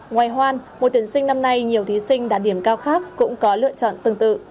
ngoài hoan mùa tuyển sinh năm nay nhiều thí sinh đạt điểm cao khác cũng có lựa chọn tương tự